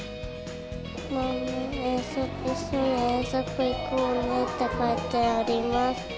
ママ、一緒に遠足行こうねって書いてあります。